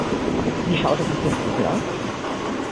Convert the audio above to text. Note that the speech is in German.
Wie schaut es mit Geflügel aus?